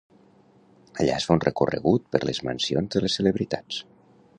Allà es fa un recorregut per les mansions de les celebritats.